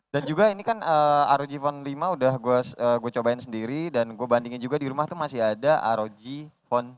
dan juga ini kan rog phone lima udah gue cobain sendiri dan gue bandingin juga di rumah tuh masih ada rog phone tiga